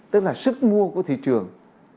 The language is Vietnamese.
tức là sức mua của thị trường